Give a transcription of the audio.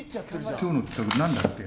今日の企画、なんだっけ。